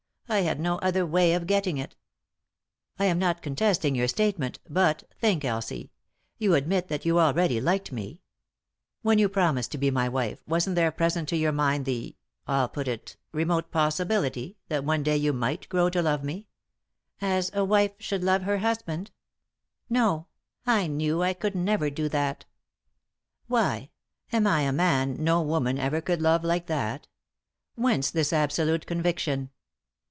I had no other way of getting it." "1 am not contesting your statement, but — think, Elsie — you admit that you already liked me. When you promised to be my wife wasn't there present to 301 3i 9 iii^d by Google THE INTERRUPTED KISS your mind the — III pot it — remote possibility that one day yon might grow to love me ?" "As* wife should lore her hosband ? No — I knew I never could do that." " Why ? Am I a nun no woman ever could love like that ? Whence this absolute conviction